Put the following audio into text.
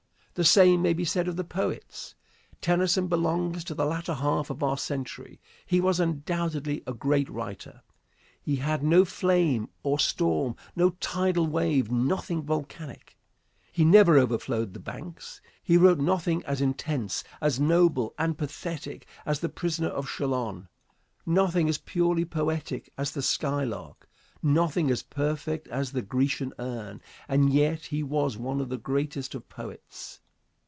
The same may be said of the poets. Tennyson belongs to the latter half of our century. He was undoubtedly a great writer. He had no flame or storm, no tidal wave, nothing volcanic. He never overflowed the banks. He wrote nothing as intense, as noble and pathetic as the "Prisoner of Chillon;" nothing as purely poetic as "The Skylark;" nothing as perfect as the "Grecian Urn," and yet he was one of the greatest of poets.